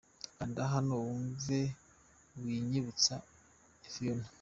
Kanda hano wumve Winyibutsa ya Phiona.